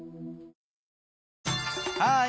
ハーイ！